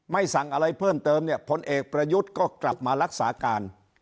สั่งอะไรเพิ่มเติมเนี่ยพลเอกประยุทธ์ก็กลับมารักษาการ